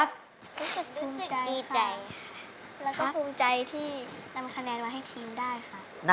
รู้สึกบีใจค่ะ